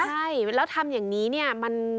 ใช่แล้วทำอย่างนี้เนี่ย